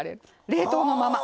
冷凍のまま。